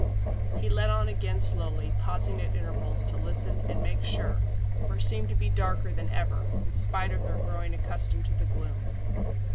He led on again slowly, pausing at intervals to listen and make sure, for it seemed to be darker than ever, in spite of their growing accustomed to the gloom.